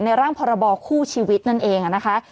ร่างพรบคู่ชีวิตนั่นเองนะคะ